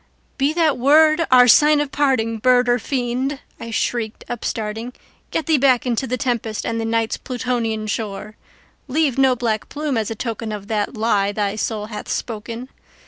"Be that word our sign of parting, bird or fiend!" I shrieked, upstarting:"Get thee back into the tempest and the Night's Plutonian shore! Leave no black plume as a token of that lie thy soul hath spoken!